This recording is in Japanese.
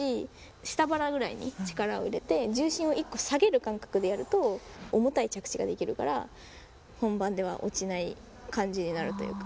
下腹ぐらいに力を入れて、重心を一個下げる感覚でやると、重たい着地ができるから、本番では落ちない感じになるというか。